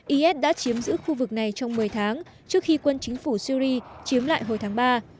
is đã chiếm giữ khu vực này trong một mươi tháng trước khi quân chính phủ syri chiếm lại hồi tháng ba